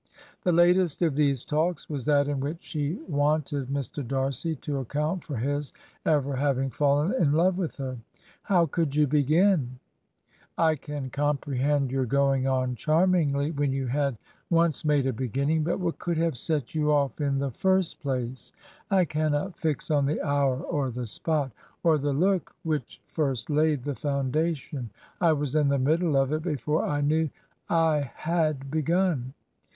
The latesTof these talks was that in which she " wanted Mr. Darcy to account for his ever having fallen in love with her. 'How could you begin? I can comprehend your going on charmingly, when you had once made a beginning; but what could have set you off in the 43 Digitized by VjOOQIC HEROINES OF FICTION first place?' ' I cannot fix on the hour, or the spot, or the look which first laid the foundation. ... I was in the middle of it before I knew I had begun.'